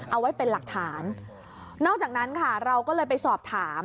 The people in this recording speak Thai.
เอาไว้เป็นหลักฐานนอกจากนั้นค่ะเราก็เลยไปสอบถาม